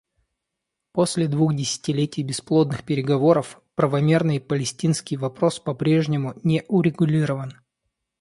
После двух десятилетий бесплодных переговоров, правомерный палестинский вопрос по-прежнему не урегулирован.